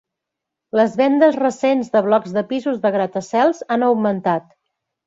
Les vendes recents de blocs de pisos de gratacels han augmentat.